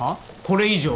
これ以上？